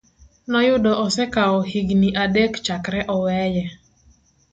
Noyudo osekawo higini adek chakre oweye.